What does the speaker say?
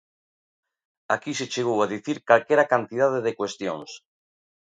Aquí se chegou a dicir calquera cantidade de cuestións.